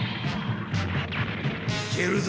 いけるぞ。